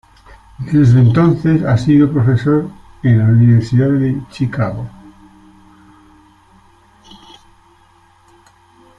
Desde entonces ha sido profesor en la Universidad de Chicago.